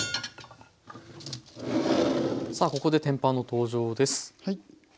さあここで天板の登場です。